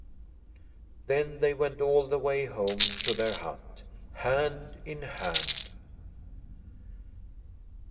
Then they went all the way home to their hut, hand in hand.